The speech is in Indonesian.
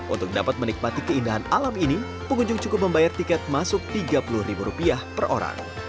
untuk dapat menikmati keindahan alam ini pengunjung cukup membayar tiket masuk rp tiga puluh ribu rupiah per orang